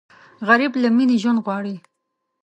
غریب له مینې ژوند غواړي